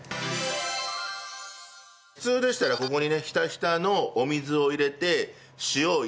普通でしたらここにねひたひたのお水を入れて塩を入れて湯がく。